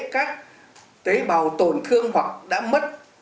các tế bào tổn thương hoặc đã mất